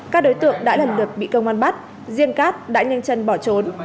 các đối tượng đã lần lượt bị công an bắt riêng cát đã nhanh chân bỏ trốn